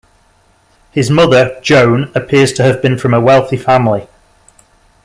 His mother, Joan, appears to have been from a wealthy family.